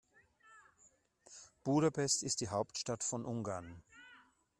Budapest ist die Hauptstadt von Ungarn.